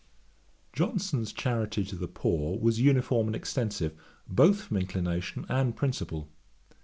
Johnson's charity to the poor was uniform and extensive, both from inclination and principle.